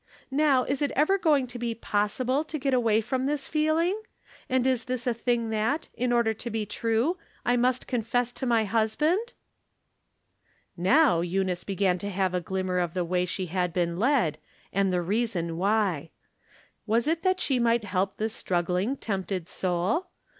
Now, is it ever going to be possible to get away from this feeling? And is this a thing that, in order to be true, I must confess to my husband ?" Now, Eunice began to have a glimmer of the way she had been led, and the reason why. Was it that she might help this struggling, tempted soul?